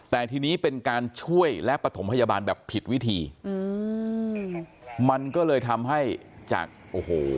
แต่ทีนี้เป็นการช่วยและปฐมพยาบาลแบบผิดวิธีอืมมันก็เลยทำให้จากโอ้โห